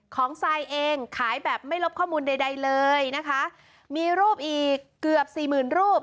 ทรายเองขายแบบไม่ลบข้อมูลใดใดเลยนะคะมีรูปอีกเกือบสี่หมื่นรูป